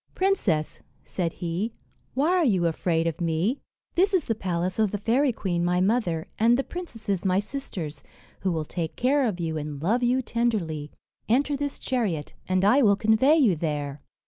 "Princess," said he, "why are you afraid of me? This is the palace of the fairy queen my mother, and the princesses my sisters, who will take care of you, and love you tenderly. Enter this chariot, and I will convey you there."